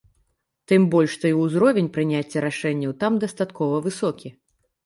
Тым больш, што і ўзровень прыняцця рашэнняў там дастаткова высокі.